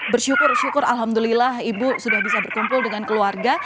bersyukur syukur alhamdulillah ibu sudah bisa berkumpul dengan keluarga